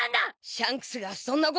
「シャンクスがそんなことするか。